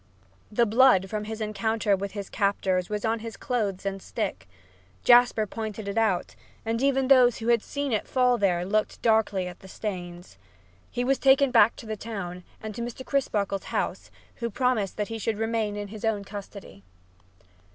The blood from his encounter with his captors was on his clothes and stick. Jasper pointed it out, and even those who had seen it fall there looked darkly at the stains. He was taken back to the town and to Mr. Crisparkle's house, who promised that he should remain in his own custody.